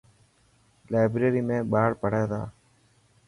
لائبريري ۾ ٻاڙ پڙهي تا.